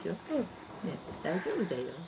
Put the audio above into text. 大丈夫だよ。